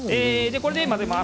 これで混ぜます。